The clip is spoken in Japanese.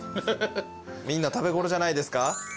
みんな食べ頃じゃないですか？